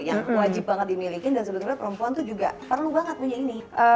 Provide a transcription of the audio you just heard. yang wajib banget dimiliki dan sebetulnya perempuan tuh juga perlu banget punya ini